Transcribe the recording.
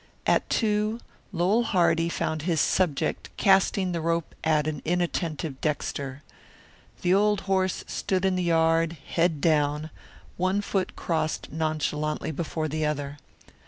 At two Lowell Hardy found his subject casting the rope at an inattentive Dexter. The old horse stood in the yard, head down, one foot crossed nonchalantly before the other.